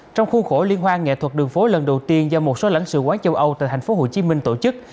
trong khuôn khổ liên hoan nghệ thuật đường phố lần đầu tiên do một số lãnh sự quán châu âu tại thành phố hồ chí minh tổ chức